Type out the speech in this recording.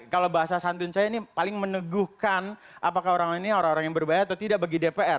kalau bahasa santun saya ini paling meneguhkan apakah orang ini orang orang yang berbahaya atau tidak bagi dpr